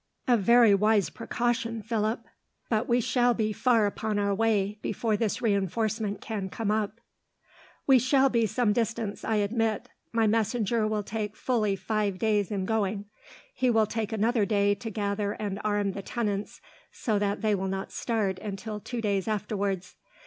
"A very wise precaution, Philip; but we shall be far upon our way, before this reinforcement can come up." "We shall be some distance, I admit. My messenger will take fully five days in going. He will take another day to gather and arm the tenants, so that they will not start until two days afterwards.